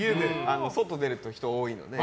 外出ると人が多いので。